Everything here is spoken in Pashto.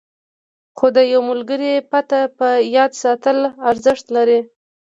خو د یوه ملګري پته په یاد ساتل ارزښت لري.